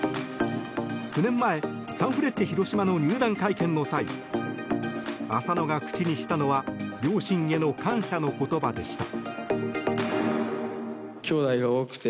９年前、サンフレッチェ広島の入団会見の際浅野が口にしたのは両親への感謝の言葉でした。